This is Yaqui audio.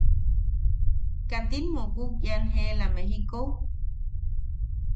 ¿Katin mukuk ian jeela Mejikou?